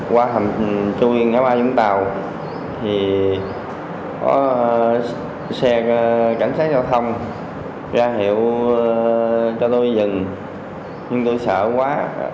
qua hầm chui ngã ba vũng tàu thì có xe cảnh sát giao thông ra hiệu cho tôi dừng nhưng tôi sợ quá